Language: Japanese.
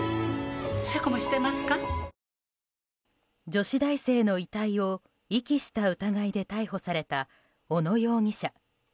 女子大生の遺体を遺棄した疑いで逮捕された小野容疑者。